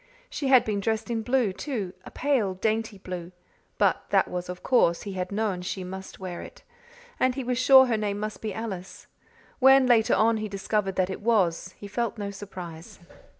She had been dressed in blue, too a pale, dainty blue; but that was of course; he had known she must wear it; and he was sure her name must be Alice. When, later on, he discovered that it was, he felt no surprise.